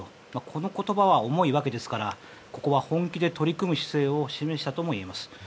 この言葉は重いわけですからここは、本気で取り組む姿勢を示したともいえます。